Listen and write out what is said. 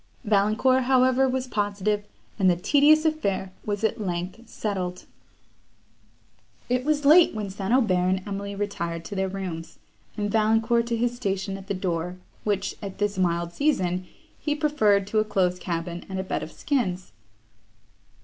Valancourt, however, was positive, and the tedious affair was at length settled. It was late when St. Aubert and Emily retired to their rooms, and Valancourt to his station at the door, which, at this mild season, he preferred to a close cabin and a bed of skins.